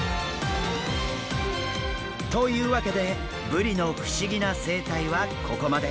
というわけでブリの不思議な生態はここまで。